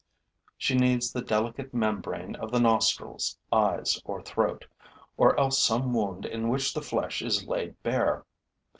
She needs the delicate membrane of the nostrils, eyes or throat, or else some wound in which the flesh is laid bare.